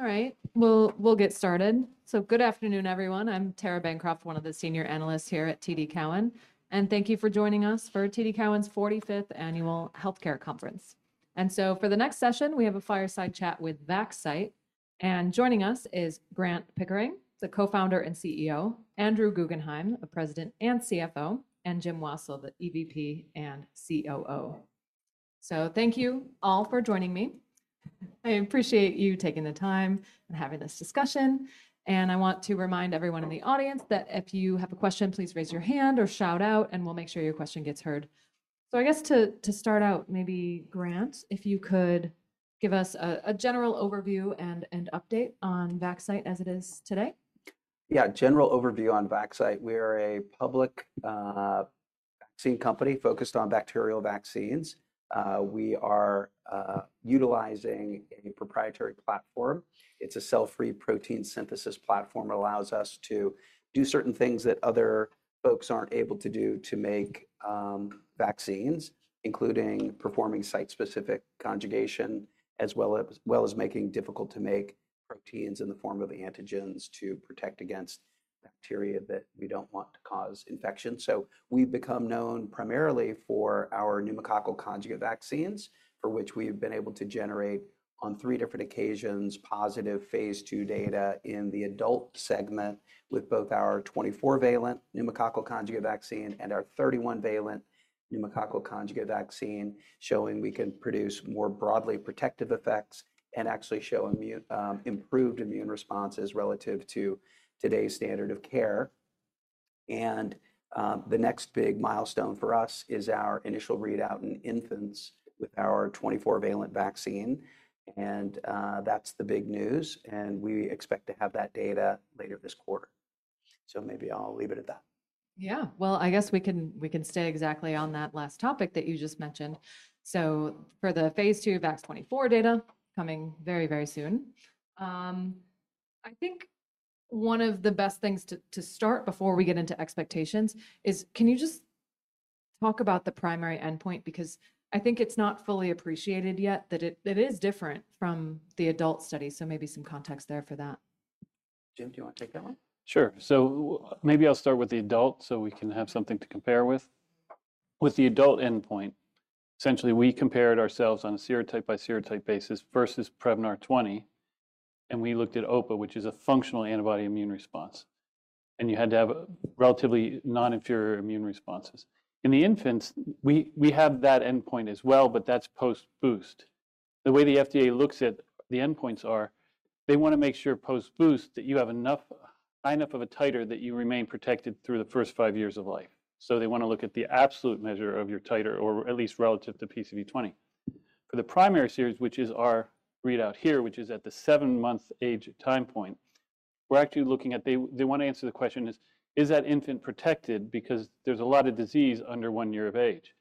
All right, we'll get started. So good afternoon, everyone. I'm Tara Bancroft, one of the senior analysts here at TD Cowen. And thank you for joining us for TD Cowen's 45th Annual Healthcare Conference. And so for the next session, we have a fireside chat with Vaxcyte. And joining us is Grant Pickering, the Co-founder and CEO; Andrew Guggenhime, the President and CFO; and Jim Wassil, the EVP and COO. So thank you all for joining me. I appreciate you taking the time and having this discussion. And I want to remind everyone in the audience that if you have a question, please raise your hand or shout out, and we'll make sure your question gets heard. So I guess to start out, maybe, Grant, if you could give us a general overview and update on Vaxcyte as it is today. Yeah, general overview on Vaxcyte. We are a public vaccine company focused on bacterial vaccines. We are utilizing a proprietary platform. It's a cell-free protein synthesis platform. It allows us to do certain things that other folks aren't able to do to make vaccines, including performing site-specific conjugation, as well as making difficult-to-make proteins in the form of antigens to protect against bacteria that we don't want to cause infection. So we've become known primarily for our pneumococcal conjugate vaccines, for which we've been able to generate, on three different occasions, positive phase II data in the adult segment with both our 24-valent pneumococcal conjugate vaccine and our 31-valent pneumococcal conjugate vaccine, showing we can produce more broadly protective effects and actually show improved immune responses relative to today's standard of care. And the next big milestone for us is our initial readout in infants with our 24-valent vaccine. That's the big news. We expect to have that data later this quarter. Maybe I'll leave it at that. Yeah, well, I guess we can stay exactly on that last topic that you just mentioned. So for the phase II VAX-24 data coming very, very soon, I think one of the best things to start before we get into expectations is, can you just talk about the primary endpoint? Because I think it's not fully appreciated yet that it is different from the adult study. So maybe some context there for that. Jim, do you want to take that one? Sure. So maybe I'll start with the adult so we can have something to compare with. With the adult endpoint, essentially, we compared ourselves on a serotype-by-serotype basis versus Prevnar 20. And we looked at OPA, which is a functional antibody-immune response. And you had to have relatively non-inferior immune responses. In the infants, we have that endpoint as well, but that's post-boost. The way the FDA looks at the endpoints are, they want to make sure post-boost that you have enough, high enough of a titer that you remain protected through the first five years of life. So they want to look at the absolute measure of your titer, or at least relative to PCV20. For the primary series, which is our readout here, which is at the seven-month age time point, we're actually looking at, they want to answer the question is, is that infant protected? Because there's a lot of disease under one year of age.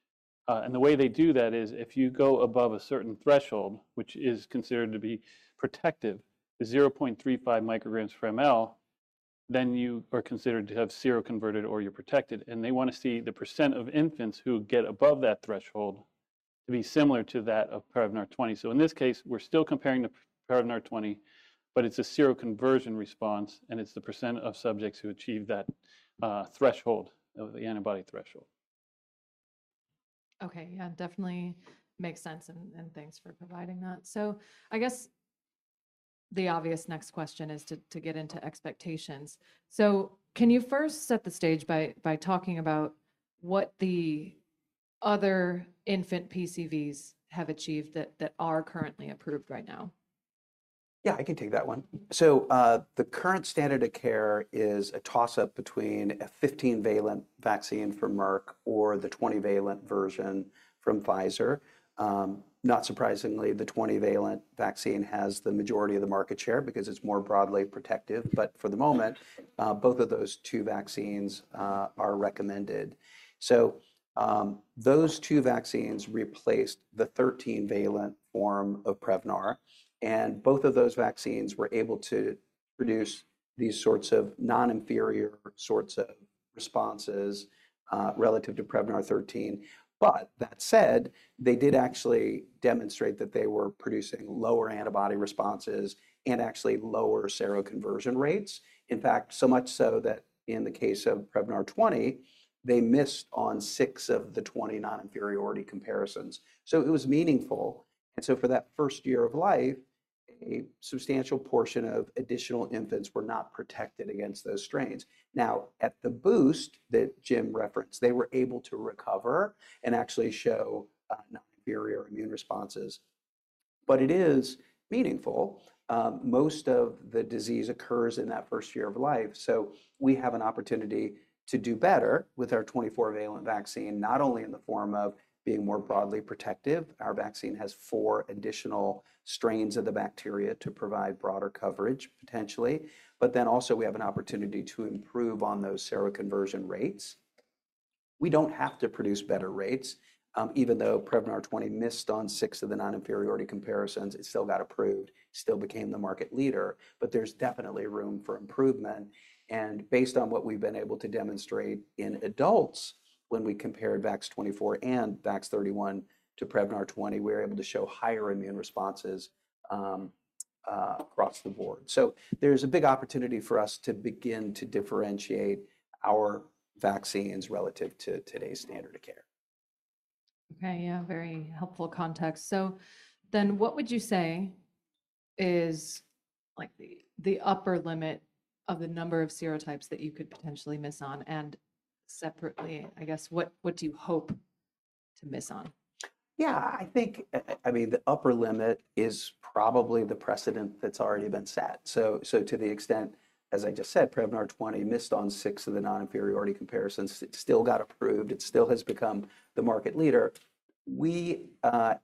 And the way they do that is, if you go above a certain threshold, which is considered to be protective, 0.35 micrograms per ml, then you are considered to have seroconverted or you're protected. And they want to see the percent of infants who get above that threshold to be similar to that of Prevnar 20. So in this case, we're still comparing to Prevnar 20, but it's a seroconversion response. And it's the percent of subjects who achieve that threshold, the antibody threshold. Okay, yeah, definitely makes sense. And thanks for providing that. So I guess the obvious next question is to get into expectations. So can you first set the stage by talking about what the other infant PCVs have achieved that are currently approved right now? Yeah, I can take that one. So the current standard of care is a toss-up between a 15-valent vaccine from Merck or the 20-valent version from Pfizer. Not surprisingly, the 20-valent vaccine has the majority of the market share because it's more broadly protective. But for the moment, both of those two vaccines are recommended. So those two vaccines replaced the 13-valent form of Prevnar. And both of those vaccines were able to produce these sorts of non-inferior sorts of responses relative to Prevnar 13. But that said, they did actually demonstrate that they were producing lower antibody responses and actually lower seroconversion rates. In fact, so much so that in the case of Prevnar 20, they missed on six of the 20 non-inferiority comparisons. So it was meaningful. And so for that first year of life, a substantial portion of additional infants were not protected against those strains. Now, at the boost that Jim referenced, they were able to recover and actually show non-inferior immune responses, but it is meaningful. Most of the disease occurs in that first year of life, so we have an opportunity to do better with our 24-valent vaccine, not only in the form of being more broadly protective. Our vaccine has four additional strains of the bacteria to provide broader coverage, potentially, but then also, we have an opportunity to improve on those seroconversion rates. We don't have to produce better rates. Even though Prevnar 20 missed on six of the non-inferiority comparisons, it still got approved, still became the market leader. But there's definitely room for improvement, and based on what we've been able to demonstrate in adults, when we compared VAX-24 and VAX-31 to Prevnar 20, we were able to show higher immune responses across the board. So there's a big opportunity for us to begin to differentiate our vaccines relative to today's standard of care. Okay, yeah, very helpful context. So then what would you say is the upper limit of the number of serotypes that you could potentially miss on? And separately, I guess, what do you hope to miss on? Yeah, I think, I mean, the upper limit is probably the precedent that's already been set. So to the extent, as I just said, Prevnar 20 missed on six of the non-inferiority comparisons. It still got approved. It still has become the market leader. We,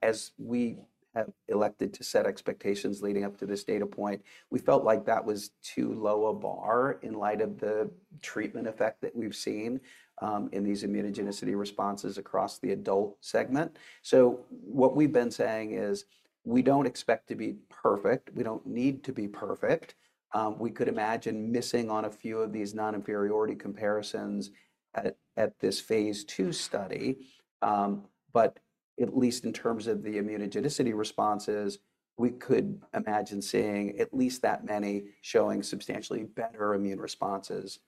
as we have elected to set expectations leading up to this data point, we felt like that was too low a bar in light of the treatment effect that we've seen in these immunogenicity responses across the adult segment. So what we've been saying is, we don't expect to be perfect. We don't need to be perfect. We could imagine missing on a few of these non-inferiority comparisons at this phase II study. But at least in terms of the immunogenicity responses, we could imagine seeing at least that many showing substantially better immune responses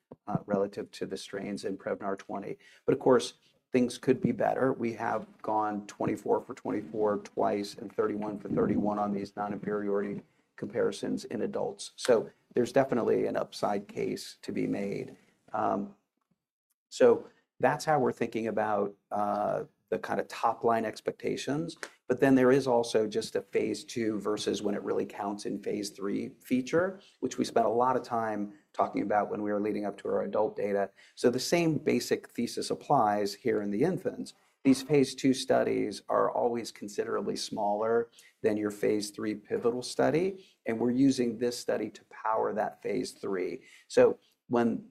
relative to the strains in Prevnar 20. But of course, things could be better. We have gone 24 for 24 twice and 31 for 31 on these non-inferiority comparisons in adults. So there's definitely an upside case to be made. So that's how we're thinking about the kind of top-line expectations. But then there is also just a phase II versus when it really counts in phase III feature, which we spent a lot of time talking about when we were leading up to our adult data. So the same basic thesis applies here in the infants. These phase II studies are always considerably smaller than your phase III pivotal study. And we're using this study to power that phase III. So when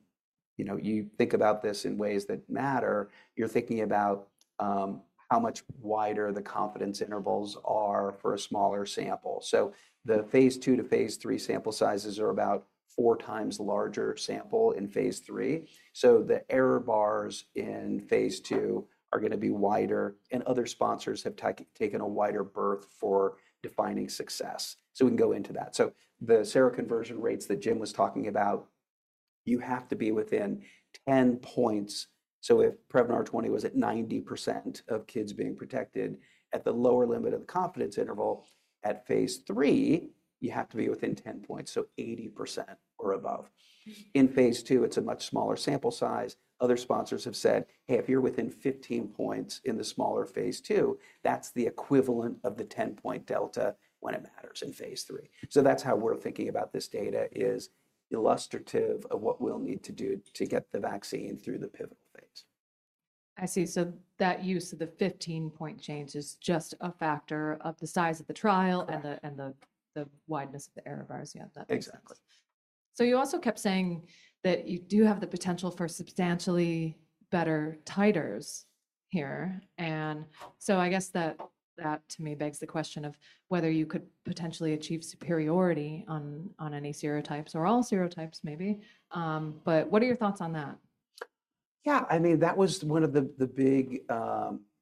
you think about this in ways that matter, you're thinking about how much wider the confidence intervals are for a smaller sample. The phase II to phase III sample sizes are about 4x larger sample in phase III. The error bars in phase II are going to be wider. Other sponsors have taken a wider berth for defining success. We can go into that. The seroconversion rates that Jim was talking about, you have to be within 10 points. If Prevnar 20 was at 90% of kids being protected, at the lower limit of the confidence interval at phase III, you have to be within 10 points, so 80% or above. In phase II, it's a much smaller sample size. Other sponsors have said, hey, if you're within 15 points in the smaller phase II, that's the equivalent of the 10-point delta when it matters in phase III. So that's how we're thinking about this data is illustrative of what we'll need to do to get the vaccine through the pivotal phase. I see, so that use of the 15-point change is just a factor of the size of the trial and the wideness of the error bars. Yeah, that makes sense. Exactly. So you also kept saying that you do have the potential for substantially better titers here. And so I guess that, to me, begs the question of whether you could potentially achieve superiority on any serotypes or all serotypes, maybe. But what are your thoughts on that? Yeah, I mean, that was one of the big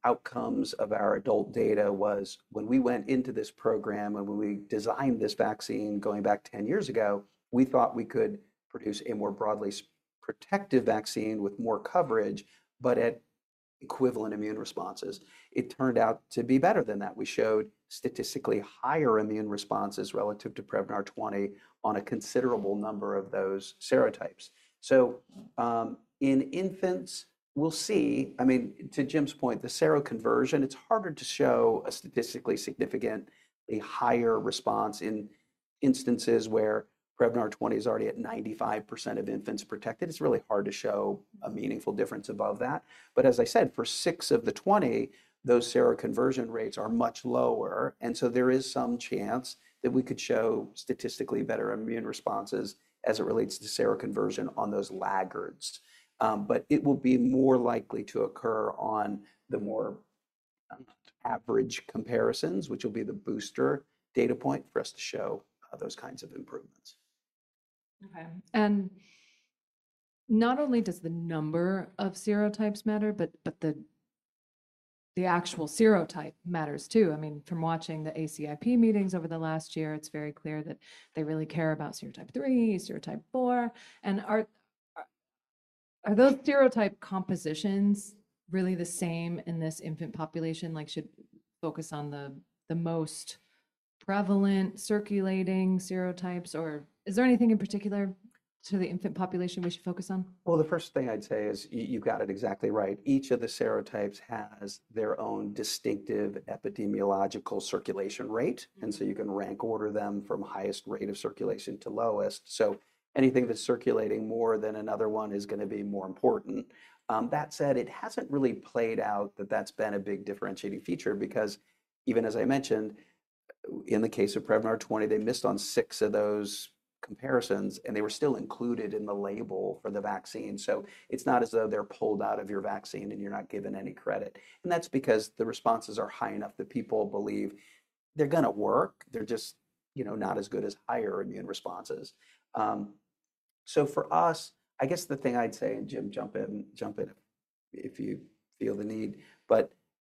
outcomes of our adult data was when we went into this program and when we designed this vaccine going back 10 years ago. We thought we could produce a more broadly protective vaccine with more coverage, but at equivalent immune responses. It turned out to be better than that. We showed statistically higher immune responses relative to Prevnar 20 on a considerable number of those serotypes. So in infants, we'll see. I mean, to Jim's point, the seroconversion. It's harder to show a statistically significantly higher response in instances where Prevnar 20 is already at 95% of infants protected. It's really hard to show a meaningful difference above that. But as I said, for six of the 20, those seroconversion rates are much lower. There is some chance that we could show statistically better immune responses as it relates to seroconversion on those laggards. It will be more likely to occur on the more average comparisons, which will be the booster data point for us to show those kinds of improvements. Okay. And not only does the number of serotypes matter, but the actual serotype matters, too. I mean, from watching the ACIP meetings over the last year, it's very clear that they really care about serotype 3, serotype 4. And are those serotype compositions really the same in this infant population? Like, should we focus on the most prevalent circulating serotypes? Or is there anything in particular to the infant population we should focus on? Well, the first thing I'd say is you got it exactly right. Each of the serotypes has their own distinctive epidemiological circulation rate. And so you can rank order them from highest rate of circulation to lowest. So anything that's circulating more than another one is going to be more important. That said, it hasn't really played out that that's been a big differentiating feature. Because even, as I mentioned, in the case of Prevnar 20, they missed on six of those comparisons. And they were still included in the label for the vaccine. So it's not as though they're pulled out of your vaccine and you're not given any credit. And that's because the responses are high enough that people believe they're going to work. They're just not as good as higher immune responses. For us, I guess the thing I'd say, and Jim, jump in if you feel the need.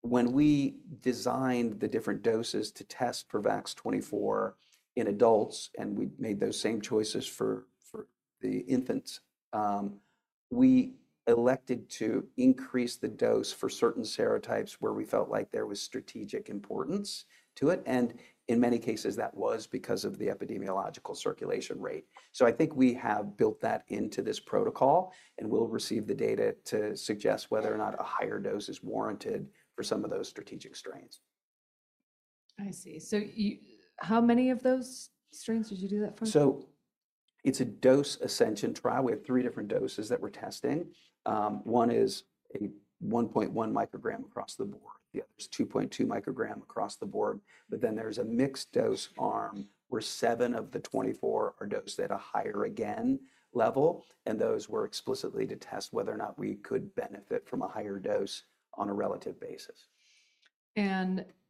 When we designed the different doses to test for VAX-24 in adults, and we made those same choices for the infants, we elected to increase the dose for certain serotypes where we felt like there was strategic importance to it. In many cases, that was because of the epidemiological circulation rate. I think we have built that into this protocol. We'll receive the data to suggest whether or not a higher dose is warranted for some of those strategic strains. I see. So how many of those strains did you do that for? It's a dose ascension trial. We have three different doses that we're testing. One is a 1.1 microgram across the board. The other is 2.2 microgram across the board. Then there's a mixed dose arm where seven of the 24 are dosed at a higher antigen level. Those were explicitly to test whether or not we could benefit from a higher dose on a relative basis.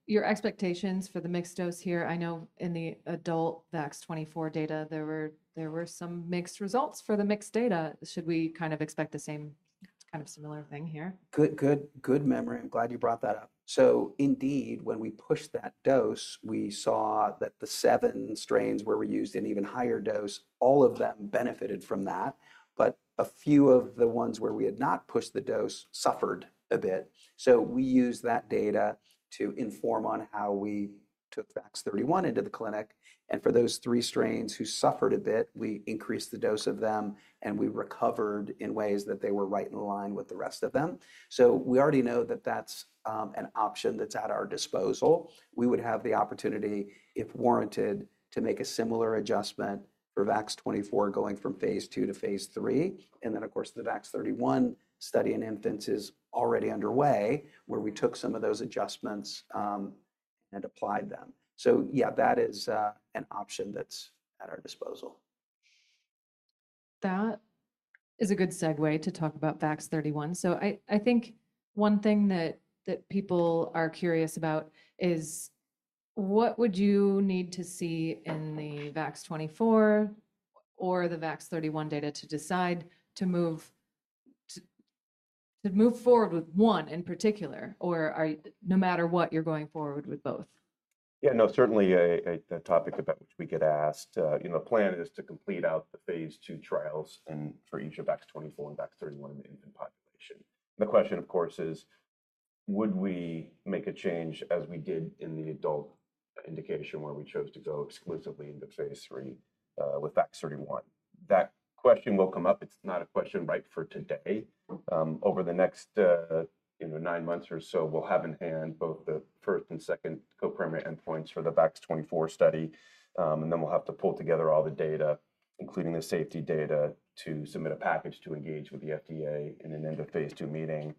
Your expectations for the mixed dose here, I know in the adult VAX-24 data, there were some mixed results for the mixed data. Should we kind of expect the same kind of similar thing here? Good memory. I'm glad you brought that up. So indeed, when we pushed that dose, we saw that the seven strains where we used an even higher dose, all of them benefited from that. But a few of the ones where we had not pushed the dose suffered a bit. So we used that data to inform on how we took VAX-31 into the clinic. And for those three strains who suffered a bit, we increased the dose of them. And we recovered in ways that they were right in line with the rest of them. So we already know that that's an option that's at our disposal. We would have the opportunity, if warranted, to make a similar adjustment for VAX-24 going from phase II to phase III. And then, of course, the VAX-31 study in infants is already underway, where we took some of those adjustments and applied them. So yeah, that is an option that's at our disposal. That is a good segue to talk about VAX-31. So I think one thing that people are curious about is, what would you need to see in the VAX-24 or the VAX-31 data to decide to move forward with one in particular? Or no matter what, you're going forward with both? Yeah, no, certainly a topic about which we get asked. The plan is to complete out the phase II trials for each of VAX-24 and VAX-31 in the infant population. The question, of course, is, would we make a change as we did in the adult indication where we chose to go exclusively into phase III with VAX-31? That question will come up. It's not a question right for today. Over the next nine months or so, we'll have in hand both the first and second co-primary endpoints for the VAX-24 study. Then we'll have to pull together all the data, including the safety data, to submit a package to engage with the FDA in an end-of-phase II meeting.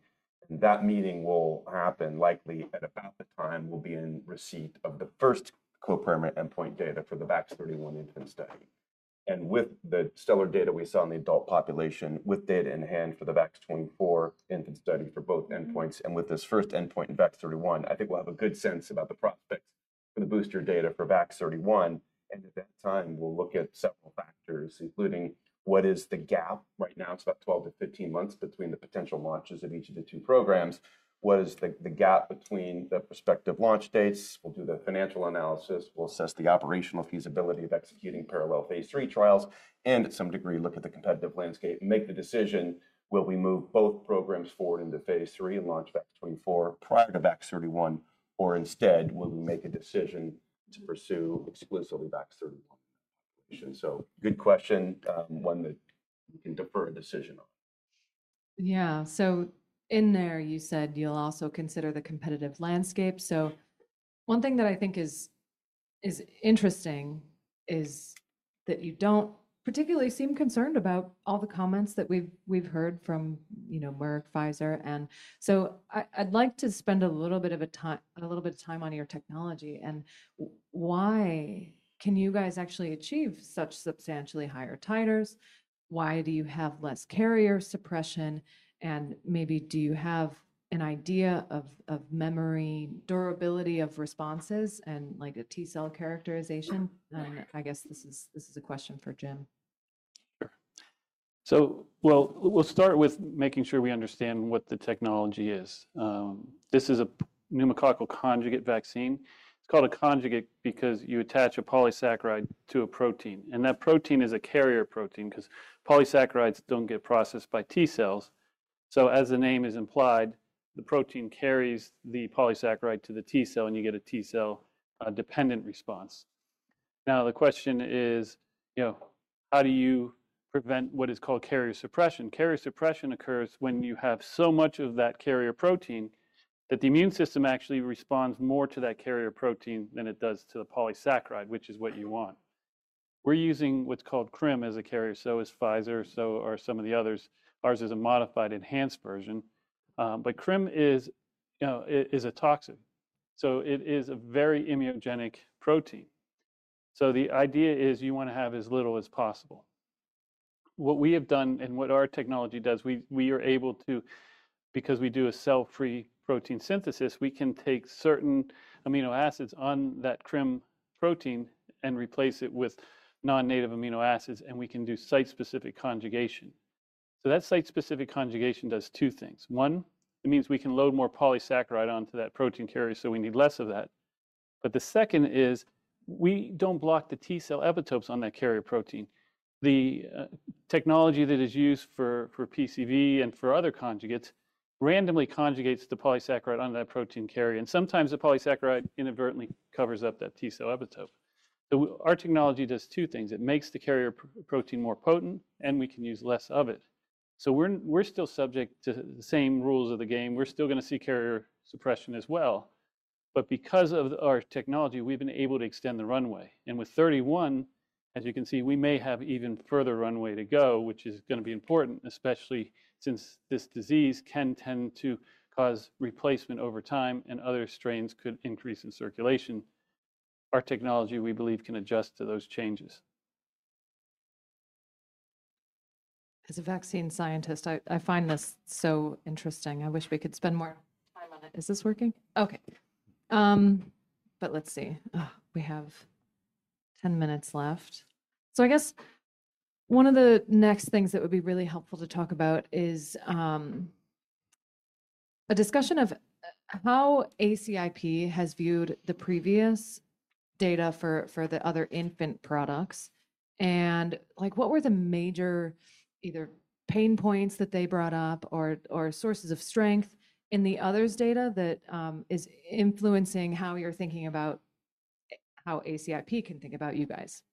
That meeting will happen likely at about the time we'll be in receipt of the first co-primary endpoint data for the VAX-31 infant study. With the stellar data we saw in the adult population, with data in hand for the VAX-24 infant study for both endpoints and with this first endpoint in VAX-31, I think we'll have a good sense about the prospects for the booster data for VAX-31. At that time, we'll look at several factors, including what is the gap right now. It's about 12 to 15 months between the potential launches of each of the two programs. What is the gap between the prospective launch dates? We'll do the financial analysis. We'll assess the operational feasibility of executing parallel phase III trials. To some degree, look at the competitive landscape and make the decision, will we move both programs forward into phase III and launch VAX-24 prior to VAX-31? Or instead, will we make a decision to pursue exclusively VAX-31 in that population? So good question, one that we can defer a decision on. Yeah. So in there, you said you'll also consider the competitive landscape. So one thing that I think is interesting is that you don't particularly seem concerned about all the comments that we've heard from Merck, Pfizer. And so I'd like to spend a little bit of time on your technology. And why can you guys actually achieve such substantially higher titers? Why do you have less carrier suppression? And maybe do you have an idea of memory durability of responses and like a T cell characterization? And I guess this is a question for Jim. Sure. So well, we'll start with making sure we understand what the technology is. This is a pneumococcal conjugate vaccine. It's called a conjugate because you attach a polysaccharide to a protein. And that protein is a carrier protein because polysaccharides don't get processed by T cells. So as the name is implied, the protein carries the polysaccharide to the T cell. And you get a T cell dependent response. Now, the question is, how do you prevent what is called carrier suppression? Carrier suppression occurs when you have so much of that carrier protein that the immune system actually responds more to that carrier protein than it does to the polysaccharide, which is what you want. We're using what's called CRM as a carrier. So is Pfizer. So are some of the others. Ours is a modified enhanced version. But CRM is a toxin. So it is a very immunogenic protein. So the idea is you want to have as little as possible. What we have done and what our technology does, we are able to, because we do a cell-free protein synthesis, we can take certain amino acids on that CRM protein and replace it with non-native amino acids. And we can do site-specific conjugation. So that site-specific conjugation does two things. One, it means we can load more polysaccharide onto that protein carrier. So we need less of that. But the second is we don't block the T cell epitopes on that carrier protein. The technology that is used for PCV and for other conjugates randomly conjugates the polysaccharide on that protein carrier. And sometimes the polysaccharide inadvertently covers up that T cell epitope. So our technology does two things. It makes the carrier protein more potent. And we can use less of it. So we're still subject to the same rules of the game. We're still going to see carrier suppression as well. But because of our technology, we've been able to extend the runway. And with 31, as you can see, we may have even further runway to go, which is going to be important, especially since this disease can tend to cause replacement over time. And other strains could increase in circulation. Our technology, we believe, can adjust to those changes. As a vaccine scientist, I find this so interesting. I wish we could spend more time on it. But let's see. We have 10 minutes left. So I guess one of the next things that would be really helpful to talk about is a discussion of how ACIP has viewed the previous data for the other infant products. And what were the major either pain points that they brought up or sources of strength in the others' data that is influencing how you're thinking about how ACIP can think about you guys?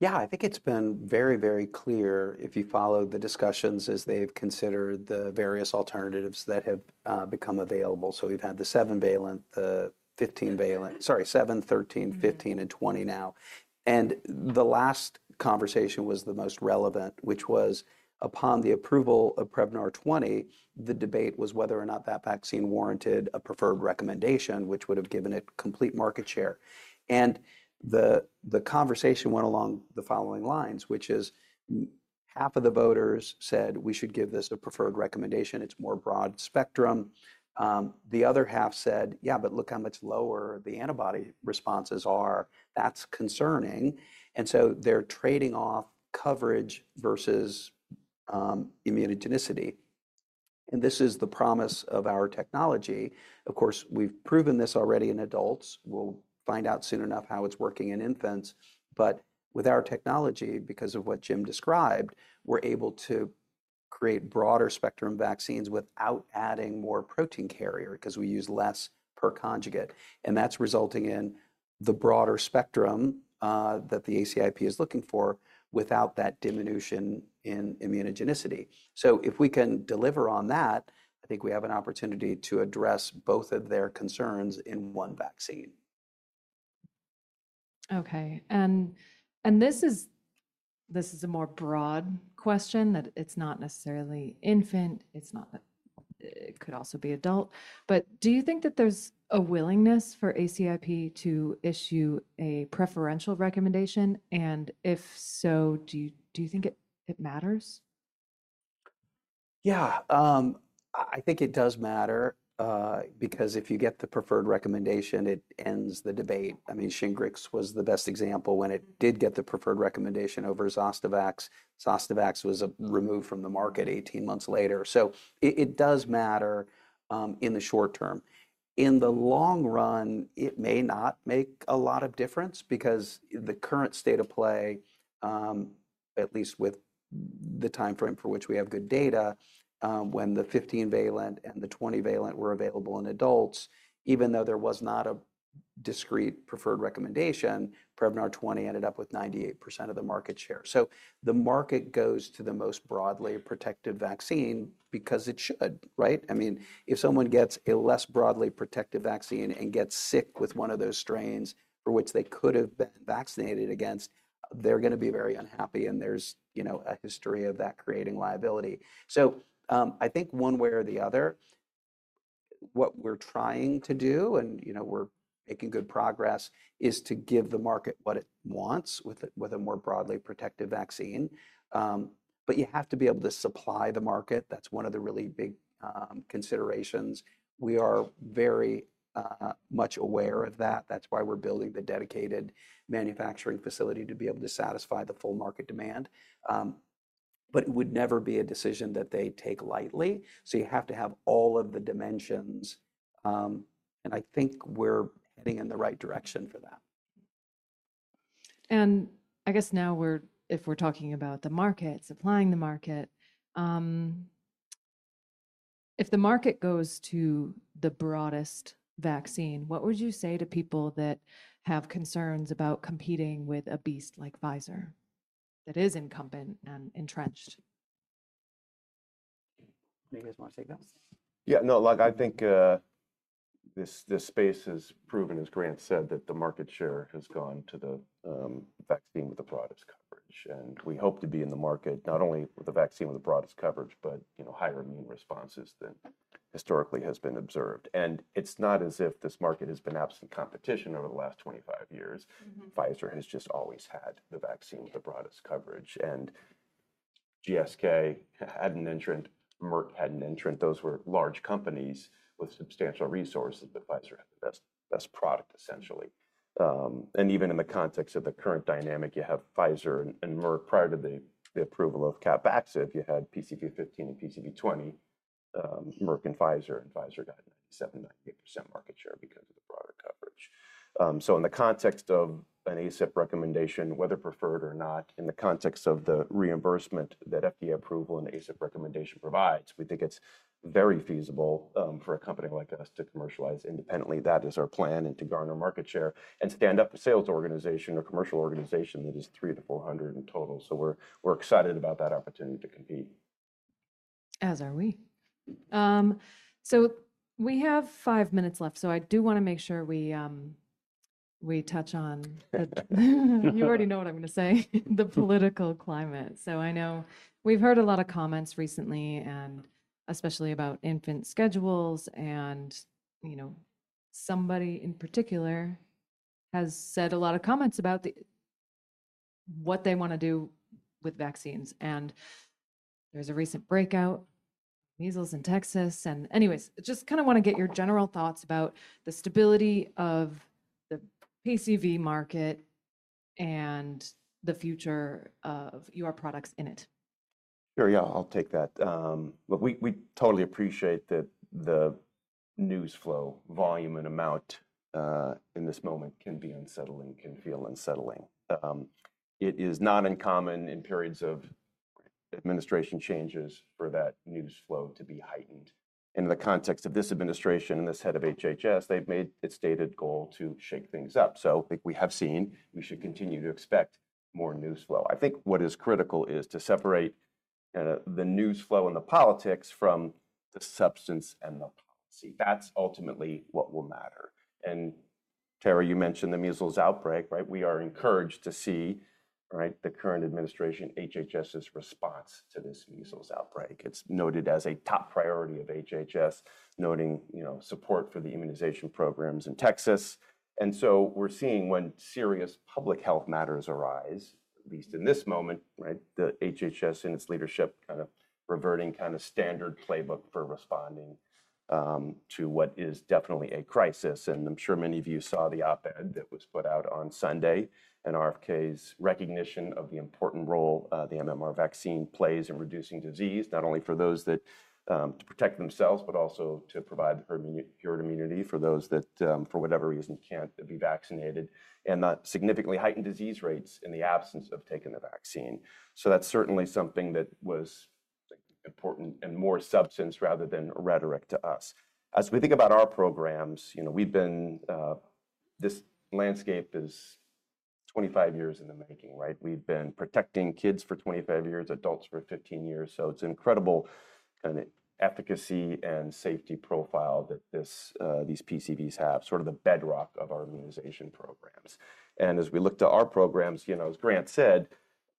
Yeah, I think it's been very, very clear if you follow the discussions as they've considered the various alternatives that have become available. So we've had the 7-valent, the 15-valent, sorry, 7, 13, 15, and 20 now. And the last conversation was the most relevant, which was upon the approval of Prevnar 20, the debate was whether or not that vaccine warranted a preferred recommendation, which would have given it complete market share. And the conversation went along the following lines, which is half of the voters said, we should give this a preferred recommendation. It's more broad spectrum. The other half said, yeah, but look how much lower the antibody responses are. That's concerning. And so they're trading off coverage versus immunogenicity. And this is the promise of our technology. Of course, we've proven this already in adults. We'll find out soon enough how it's working in infants. But with our technology, because of what Jim described, we're able to create broader spectrum vaccines without adding more protein carrier because we use less per conjugate. And that's resulting in the broader spectrum that the ACIP is looking for without that diminution in immunogenicity. So if we can deliver on that, I think we have an opportunity to address both of their concerns in one vaccine. Okay. And this is a more broad question that it's not necessarily infant. It could also be adult. But do you think that there's a willingness for ACIP to issue a preferential recommendation? And if so, do you think it matters? Yeah, I think it does matter. Because if you get the preferred recommendation, it ends the debate. I mean, SHINGRIX was the best example when it did get the preferred recommendation over Zostavax. Zostavax was removed from the market 18 months later. So it does matter in the short term. In the long run, it may not make a lot of difference because the current state of play, at least with the time frame for which we have good data, when the 15-valent and the 20-valent were available in adults, even though there was not a discrete preferred recommendation, Prevnar 20 ended up with 98% of the market share. So the market goes to the most broadly protective vaccine because it should, right? I mean, if someone gets a less broadly protective vaccine and gets sick with one of those strains for which they could have been vaccinated against, they're going to be very unhappy. And there's a history of that creating liability. So I think one way or the other, what we're trying to do, and we're making good progress, is to give the market what it wants with a more broadly protective vaccine. But you have to be able to supply the market. That's one of the really big considerations. We are very much aware of that. That's why we're building the dedicated manufacturing facility to be able to satisfy the full market demand. But it would never be a decision that they take lightly. So you have to have all of the dimensions. And I think we're heading in the right direction for that. I guess now if we're talking about the market, supplying the market, if the market goes to the broadest vaccine, what would you say to people that have concerns about competing with a beast like Pfizer that is incumbent and entrenched? Maybe you want to take this? Yeah, no, I think this space has proven, as Grant said, that the market share has gone to the vaccine with the broadest coverage. And we hope to be in the market not only with a vaccine with the broadest coverage, but higher immune responses than historically has been observed. And it's not as if this market has been absent competition over the last 25 years. Pfizer has just always had the vaccine with the broadest coverage. And GSK had an entrant. Merck had an entrant. Those were large companies with substantial resources. But Pfizer had the best product, essentially. And even in the context of the current dynamic, you have Pfizer and Merck. Prior to the approval of CAPVAXIVE, you had PCV15 and PCV20. Merck and Pfizer, and Pfizer got 97%, 98% market share because of the broader coverage. So in the context of an ACIP recommendation, whether preferred or not, in the context of the reimbursement that FDA approval and ACIP recommendation provides, we think it's very feasible for a company like us to commercialize independently. That is our plan and to garner market share and stand up a sales organization or commercial organization that is 300-400 in total. So we're excited about that opportunity to compete. As are we. So we have five minutes left. So I do want to make sure we touch on, you already know what I'm going to say, the political climate. So I know we've heard a lot of comments recently, and especially about infant schedules. And somebody in particular has said a lot of comments about what they want to do with vaccines. And there was a recent outbreak of measles in Texas. And anyways, just kind of want to get your general thoughts about the stability of the PCV market and the future of your products in it. Sure, yeah, I'll take that. But we totally appreciate that the news flow, volume, and amount in this moment can be unsettling, can feel unsettling. It is not uncommon in periods of administration changes for that news flow to be heightened. And in the context of this administration and this head of HHS, they've made its stated goal to shake things up. So I think we have seen we should continue to expect more news flow. I think what is critical is to separate the news flow and the politics from the substance and the policy. That's ultimately what will matter. And Tara, you mentioned the measles outbreak, right? We are encouraged to see the current administration, HHS's response to this measles outbreak. It's noted as a top priority of HHS, noting support for the immunization programs in Texas. And so we're seeing, when serious public health matters arise, at least in this moment, the HHS and its leadership kind of reverting kind of standard playbook for responding to what is definitely a crisis. And I'm sure many of you saw the op-ed that was put out on Sunday, and RFK's recognition of the important role the MMR vaccine plays in reducing disease, not only for those that to protect themselves, but also to provide herd immunity for those that, for whatever reason, can't be vaccinated and that significantly heightened disease rates in the absence of taking the vaccine. So that's certainly something that was important and more substance rather than rhetoric to us. As we think about our programs, we've been. This landscape is 25 years in the making, right? We've been protecting kids for 25 years, adults for 15 years. It's incredible kind of efficacy and safety profile that these PCVs have, sort of the bedrock of our immunization programs. As we look to our programs, as Grant said,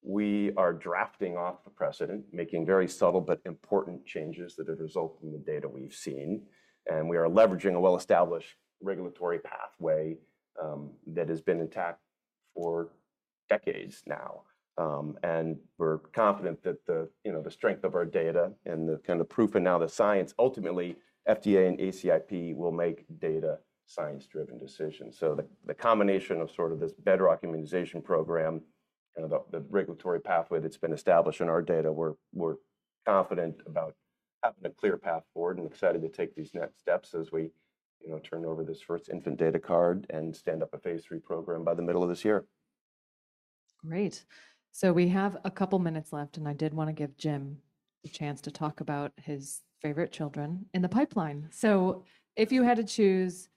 we are drafting off the precedent, making very subtle but important changes that have resulted in the data we've seen. We are leveraging a well-established regulatory pathway that has been intact for decades now. We're confident that the strength of our data and the kind of proof and now the science, ultimately, FDA and ACIP will make data science-driven decisions. The combination of sort of this bedrock immunization program, the regulatory pathway that's been established in our data, we're confident about having a clear path forward and excited to take these next steps as we turn over this first infant data card and stand up a phase III program by the middle of this year. Great. So we have a couple of minutes left. And I did want to give Jim the chance to talk about his favorite children in the pipeline. So if you had to choose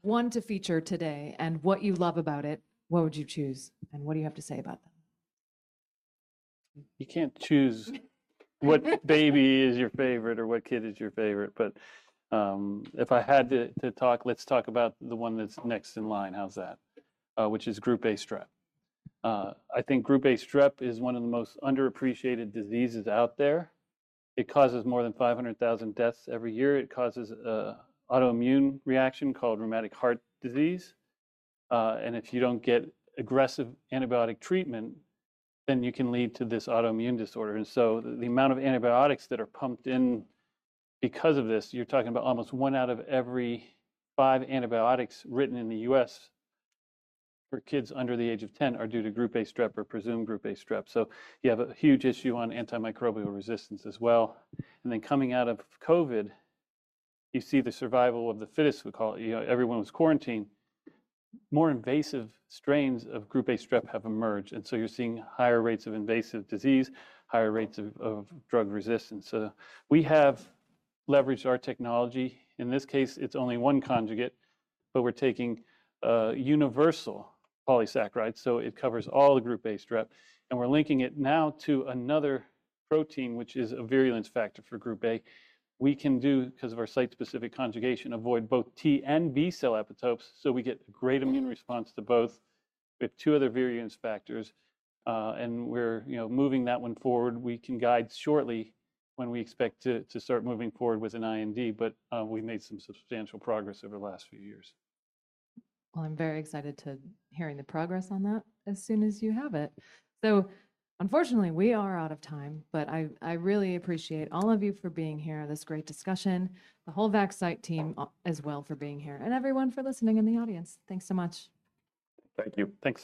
one to feature today and what you love about it, what would you choose? And what do you have to say about them? You can't choose what baby is your favorite or what kid is your favorite. But if I had to talk, let's talk about the one that's next in line. How's that? Which is Group A Strep. I think Group A Strep is one of the most underappreciated diseases out there. It causes more than 500,000 deaths every year. It causes an autoimmune reaction called rheumatic heart disease. And if you don't get aggressive antibiotic treatment, then you can lead to this autoimmune disorder. And so the amount of antibiotics that are pumped in because of this, you're talking about almost one out of every five antibiotics written in the U.S. for kids under the age of 10 are due to Group A Strep or presumed Group A Strep. So you have a huge issue on antimicrobial resistance as well. And then coming out of COVID, you see the survival of the fittest, we call it. Everyone was quarantined. More invasive strains of Group A Strep have emerged. And so you're seeing higher rates of invasive disease, higher rates of drug resistance. So we have leveraged our technology. In this case, it's only one conjugate, but we're taking universal polysaccharides. So it covers all the Group A Strep. And we're linking it now to another protein, which is a virulence factor for Group A. We can do, because of our site-specific conjugation, avoid both T and B cell epitopes. So we get a great immune response to both with two other virulence factors. And we're moving that one forward. We can guide shortly when we expect to start moving forward with an IND. But we made some substantial progress over the last few years. I'm very excited to hear the progress on that as soon as you have it. Unfortunately, we are out of time. I really appreciate all of you for being here in this great discussion, the whole Vaxcyte team as well for being here, and everyone for listening in the audience. Thanks so much. Thank you. Thanks.